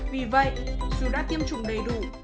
vì vậy dù đã tiêm chủng đầy đủ